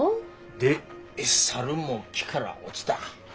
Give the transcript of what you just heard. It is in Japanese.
で「猿も木から落ちた」。